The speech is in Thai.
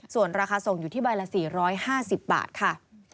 ส่วนราคาส่งอยู่ที่ใบละ๔๕๐บาทค่ะ